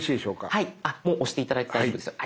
はいもう押して頂いて大丈夫ですよ。